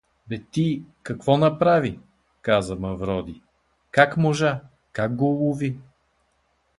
— Бе ти… какво направи? — каза Мавроди. — Как можа? Как го улови?